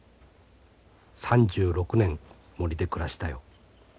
３６年森で暮らしたよ。